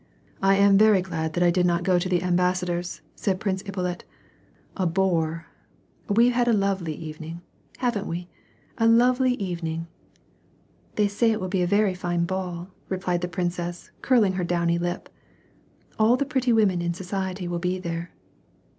" I am very glad that I did not go to the ambassador's," said Prince Ippolit, " a bore "— we've had a lovely evening, haven't we, a lovely evening." " They say it will be a very fine ball," replied the princess, curling her downy lip. "All the pretty women in society will be there."